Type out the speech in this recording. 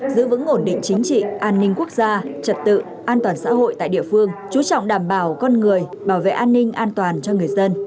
giữ vững ổn định chính trị an ninh quốc gia trật tự an toàn xã hội tại địa phương chú trọng đảm bảo con người bảo vệ an ninh an toàn cho người dân